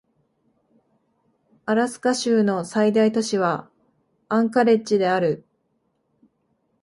アラスカ州の最大都市はアンカレッジである